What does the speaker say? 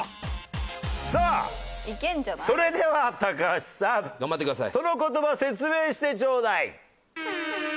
さあそれでは高橋さんその言葉説明してチョーダイ！